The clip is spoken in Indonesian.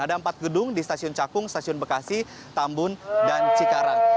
ada empat gedung di stasiun cakung stasiun bekasi tambun dan cikarang